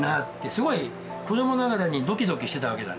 すごい子供ながらにドキドキしてたわけ。